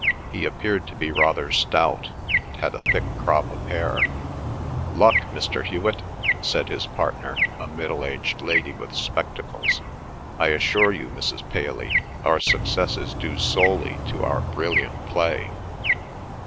He appeared to be rather stout, and had a thick crop of hair. "Luck, Mr. Hewet?" said his partner, a middle aged lady with spectacles. "I assure you, Mrs. Paley, our success is due solely to our brilliant play."